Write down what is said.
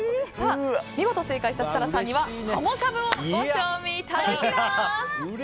見事正解した設楽さんには鱧しゃぶをご賞味いただきます。